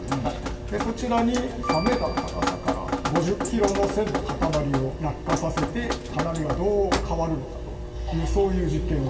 でそちらに３ｍの高さから５０ｋｇの線の塊を落下させて金網がどう変わるのかというそういう実験を。